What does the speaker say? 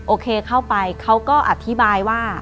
โอเคเข้าไปเขาก็อธิบายว่า